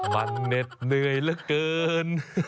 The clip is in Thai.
มันเหน็ดเหนื่อยเหลือเกิน